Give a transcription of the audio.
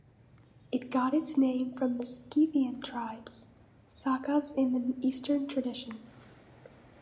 It got its name from the Scythian tribes (Sakas in the Eastern tradition).